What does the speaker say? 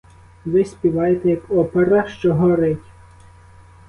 Ви співаєте, як опера, що горить.